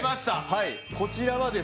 はいこちらはですね